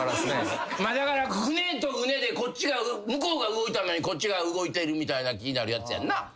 だから船と船で向こうが動いたのにこっちが動いてるみたいな気になるやつやんな？